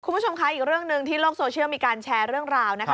คุณผู้ชมคะอีกเรื่องหนึ่งที่โลกโซเชียลมีการแชร์เรื่องราวนะคะ